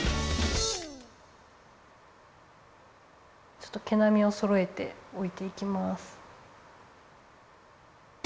ちょっと毛なみをそろえておいていきます。